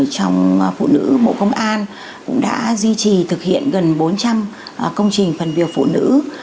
trong phụ nữ bộ công an cũng đã duy trì thực hiện gần bốn trăm linh công trình phần việc phụ nữ